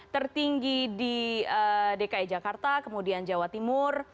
tertinggi di dki jakarta kemudian jawa timur